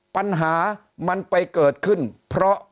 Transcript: ปัญหามันไปเกิดขึ้นเพราะ